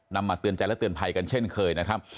มาเตือนใจและเตือนภัยกันเช่นเคยนะครับ